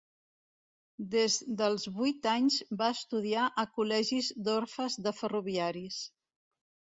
Des dels vuit anys va estudiar a col·legis d'orfes de ferroviaris.